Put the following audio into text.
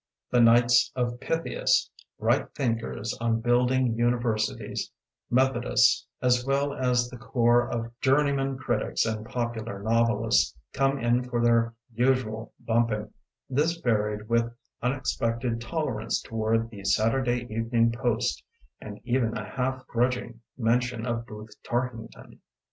The Knights of Pythias, Right Thinkers, On Building Univer sities, Methodists, as well as the corps of journeyman critics and popular nov elists come in for their usual bump ing, this varied with unexpected tol erance toward "The Saturday Evening Post" and even a half grudging men tion of Booth Tarkington.